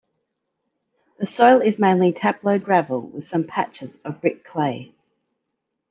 The soil is mainly Taplow gravel with some patches of brick clay.